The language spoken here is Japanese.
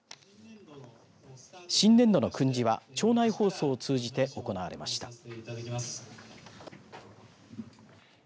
新年度の訓示は庁内放送を通じて行われました。